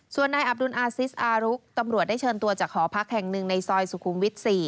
ส่วนนายอับดุลอาซิสอารุกตำรวจได้เชิญตัวจากหอพักแห่งหนึ่งในซอยสุขุมวิท๔